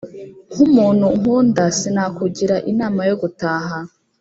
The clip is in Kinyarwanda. nk’umuntu nkunda sinakugira inama yo gutaha,